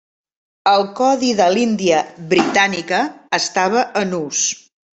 El codi de l'Índia Britànica estava en ús.